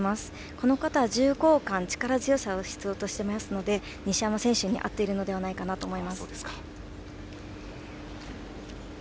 この形は重厚感、力強さを必要としていますので西山選手に合っているのではないかと思います。